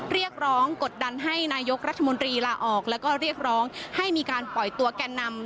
เรียกร้องกดดันให้นายกรัฐมนตรีลาออกแล้วก็เรียกร้องให้มีการปล่อยตัวแก่นำ